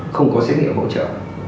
không có xét nghiệm hỗ trợ